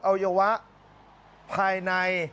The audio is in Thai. วัยวะภายใน